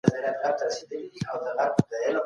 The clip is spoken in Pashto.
موږ د خپلو لاسونو په پاک ساتلو بوخت یو.